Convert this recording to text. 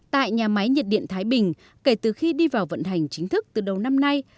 tại nhà máy nhiệt điện thái bình kể từ khi đi vào vận hành chính thức từ đầu năm nay